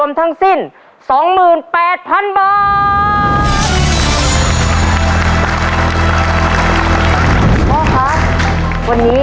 ภายในเวลา๓นาที